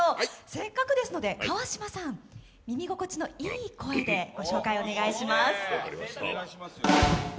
せっかくですので川島さん、耳心地のいい声でご紹介をお願いします。